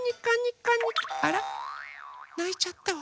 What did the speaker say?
ないちゃったわ。